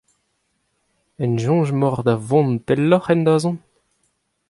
En soñj emaocʼh da vont pellocʼh en dazont ?